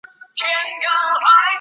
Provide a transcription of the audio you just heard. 江西乡试第七十九名。